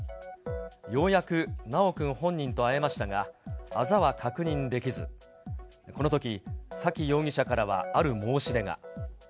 ようやく修くん本人と会えましたが、あざは確認できず、このとき沙喜容疑者からは、ある申し出が。